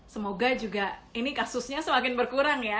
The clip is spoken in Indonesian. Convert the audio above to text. semoga juga ini kasusnya semakin berkurang ya